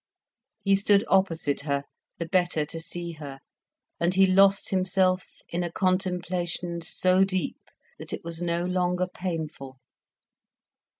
He stood opposite her, the better to see her, and he lost himself in a contemplation so deep that it was no longer painful.